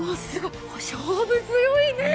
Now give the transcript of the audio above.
勝負強いね。